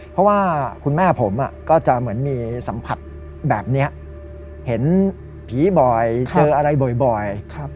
เพราะว่าคุณแม่ผมก็จะเหมือนมีสัมผัสแบบนี้เห็นผีบ่อยเจออะไรบ่อย